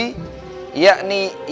dan orang yang mengikuti aku kata nabi